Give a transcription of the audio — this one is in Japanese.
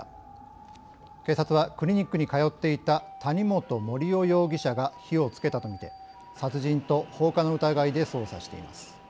警察はクリニックに通っていた谷本盛雄容疑者が火をつけたとみて殺人と放火の疑いで捜査しています。